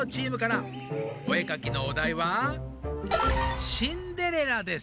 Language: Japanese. お絵かきのお題は「シンデレラ」です。